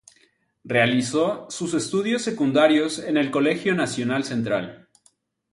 Realizó sus estudios secundarios en el Colegio Nacional Central.